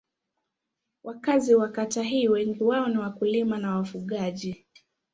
Wakazi wa kata hii wengi wao ni wakulima na wafugaji.